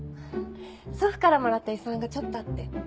祖父からもらった遺産がちょっとあって。